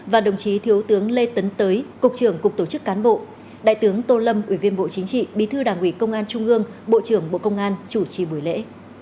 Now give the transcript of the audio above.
và đồng chí thiếu tướng lê tấn tới cục trưởng cục tổ chức cán bộ đại tướng tô lâm ủy viên bộ chính trị bí thư đảng ủy công an trung ương bộ trưởng bộ công an chủ trì buổi lễ